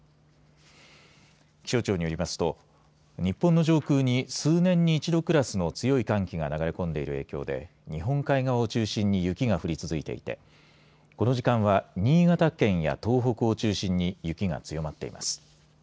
気象庁によりますと日本の上空に数年に一度クラスの強い寒気が流れ込んでいる影響で日本海側を中心に雪が降り続いていてこの時間は新潟県や東北を中心に雪が強まっています。